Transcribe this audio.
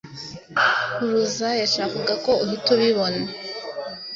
Kuruza yashakaga ko uhita ubibona.